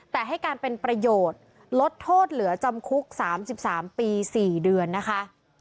แต่ให้การเป็นประโยชน์ลดโทษเหลือจำคุก๓๓ปี๔เดือนนะคะ